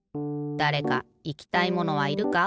だれかいきたいものはいるか？